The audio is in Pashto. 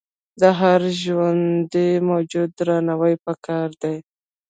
د هر ژوندي موجود درناوی پکار دی.